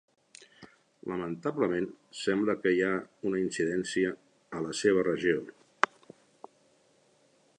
Lamentablement sembla que hi ha una incidència en la seva regió.